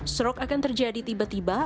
strok akan terjadi tiba tiba